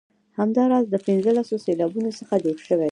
همداراز له پنځلسو سېلابونو څخه جوړې دي.